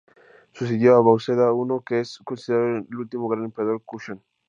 Sucedió a Vasudeva I, que es considerado el último gran emperador Kushán.